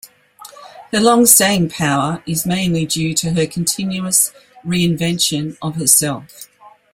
Her long staying power is mainly due to her continuous re-invention of herself.